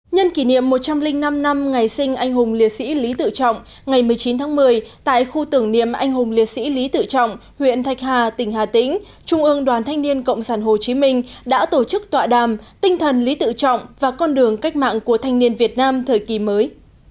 nhân kỷ niệm một trăm linh năm năm ngày sinh anh hùng liệt sĩ lý tự trọng ngày một mươi chín tháng một mươi tại khu tưởng niệm anh hùng liệt sĩ lý tự trọng huyện thạch hà tỉnh hà tĩnh trung ương đoàn thanh niên cộng sản hồ chí minh đã tổ chức tọa đàm tinh thần lý tự trọng và con đường cách mạng của thanh niên việt nam thời kỳ mới